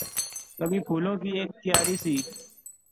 کبھی پھولوں کی اک کیاری سی